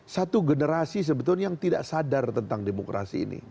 satu generasi yang sebetulnya tidak sadar tentang demokrasi ini